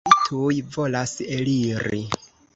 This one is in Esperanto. Mi tuj volas eliri.